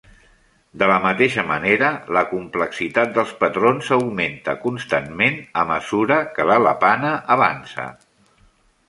De la mateixa manera, la complexitat dels patrons augmenta constantment a mesura que l'alapana avança.